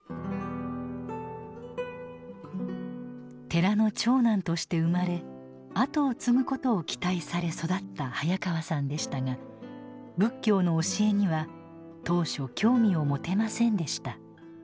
寺の長男として生まれあとを継ぐことを期待され育った早川さんでしたが仏教の教えには当初興味を持てませんでした。